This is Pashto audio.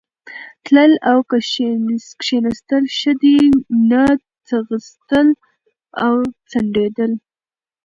تلل او کښېنستل ښه دي، نه ځغستل او ځنډېدل.